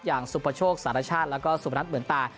อย่างสุปโชคสารชาติแล้วก็สุพนัทเหมือนตา